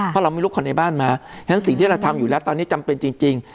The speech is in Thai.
เพราะเราไม่รู้คนในบ้านมาฉะนั้นสิ่งที่เราทำอยู่แล้วตอนนี้จำเป็นจริง